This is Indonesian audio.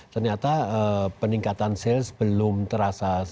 ternyata peningkatan sales belum terasa